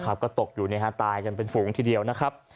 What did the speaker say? ใช่ก็ตกอยู่ในฮะตายกันเป็นฝุ่งทีเดียวนะครับ